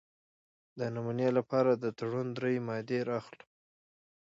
د نمونې لپاره د تړون درې مادې را اخلو.